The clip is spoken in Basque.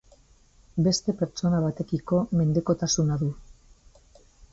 Beste pertsona batetiko mendekotasuna du.